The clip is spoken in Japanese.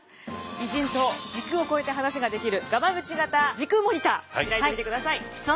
偉人と時空を超えて話ができるガマグチ型時空モニター開いてみてください。